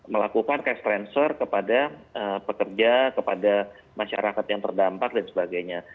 melakukan cash transfer kepada pekerja kepada masyarakat yang terdampak dan sebagainya